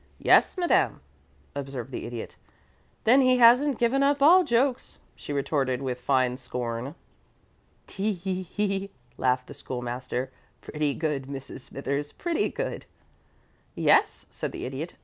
"Yes, madame," observed the Idiot. "Then he hasn't given up all jokes," she retorted, with fine scorn. "Tee he hee!" laughed the School master. "Pretty good, Mrs. Smithers pretty good." "Yes," said the Idiot.